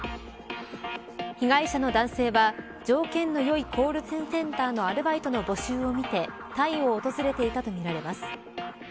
被害者の男性は条件のよいコールセンターのアルバイトの募集を見てタイを訪れていたとみられます。